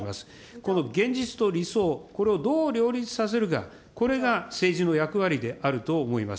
この現実と理想、これをどう両立させるか、これが政治の役割であると思います。